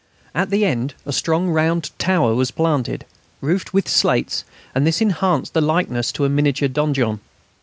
At the end a strong round tower was planted, roofed with slates; and this enhanced the likeness to a miniature donjon.